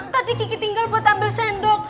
tadi gigi tinggal buat ambil sendok